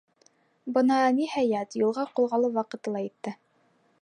Бына, ниһайәт, юлға ҡуҙғалыу ваҡыты ла етте.